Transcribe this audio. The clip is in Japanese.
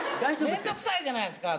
面倒くさいじゃないですか